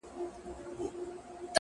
نه . نه داسي نه ده.